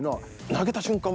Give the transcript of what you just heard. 投げた瞬間